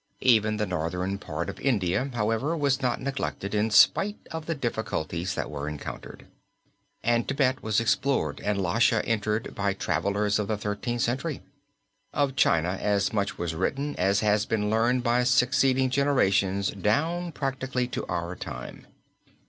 Even the northern part of India, however, was not neglected in spite of the difficulties that were encountered, and Thibet was explored and Lhasa entered by travelers of the Thirteenth Century. Of China as much was written as had been learned by succeeding generations down practically to our own time.